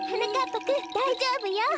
ぱくんだいじょうぶよ！